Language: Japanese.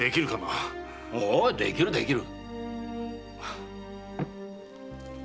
ああできるできる！